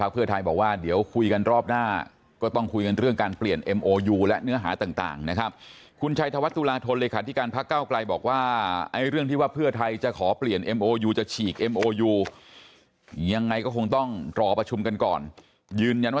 เพราะฉะนั้นแล้วก็คงจะต้องมีการพูดคุยกันครับ